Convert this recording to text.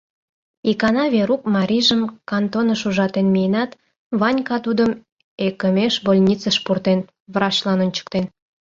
Икана Верук марийжым кантоныш ужатен миенат, Ванька тудым ӧкымеш больницыш пуртен, врачлан ончыктен.